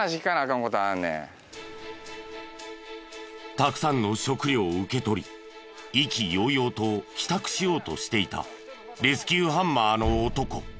たくさんの食料を受け取り意気揚々と帰宅しようとしていたレスキューハンマーの男。